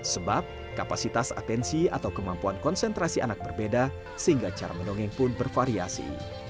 sebab kapasitas atensi atau kemampuan konsentrasi anak berbeda sehingga cara mendongeng pun bervariasi